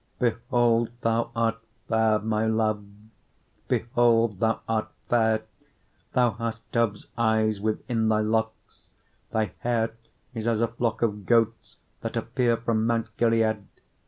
4:1 Behold, thou art fair, my love; behold, thou art fair; thou hast doves' eyes within thy locks: thy hair is as a flock of goats, that appear from mount Gilead.